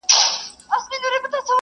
آیا غاښونه تر ژبي کلک دي؟